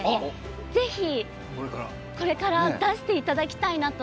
ぜひ、これから出していただきたいなと。